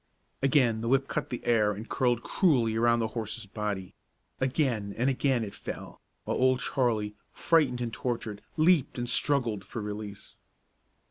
Again the whip cut the air and curled cruelly about the horse's body. Again and again it fell, while Old Charlie, frightened and tortured, leaped and struggled for release.